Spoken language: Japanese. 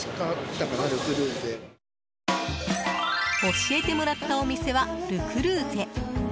教えてもらったお店はル・クルーゼ。